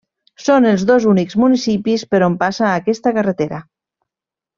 Són els dos únics municipis per on passa aquesta carretera.